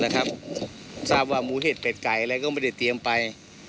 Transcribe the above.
ทราบว่าหมูเห็ดเป็ดไก่อะไรก็ไม่ได้เตรียมไป